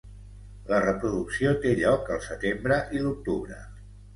La reproducció té lloc al setembre i l'octubre.